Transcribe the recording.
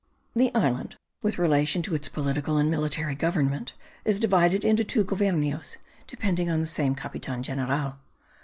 The island, with relation to its political and military government, is divided into two goviernos, depending on the same capitan general.